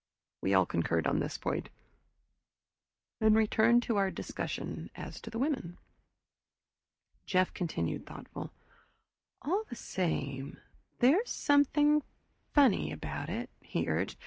We all concurred on this point, and returned to our discussion as to the women. Jeff continued thoughtful. "All the same, there's something funny about it," he urged.